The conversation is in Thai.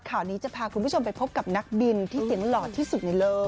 ข่าวนี้จะพาคุณผู้ชมไปพบกับนักบินที่เสียงหล่อที่สุดในโลก